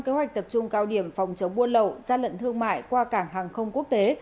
kế hoạch tập trung cao điểm phòng chống buôn lậu gian lận thương mại qua cảng hàng không quốc tế